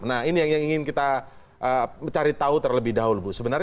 nah ini yang ingin kita cari tahu terlebih dahulu bu